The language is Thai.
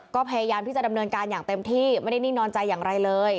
ก็พยายามที่จะดำเนินการอย่างเต็มที่ไม่ได้นิ่งนอนใจอย่างไรเลย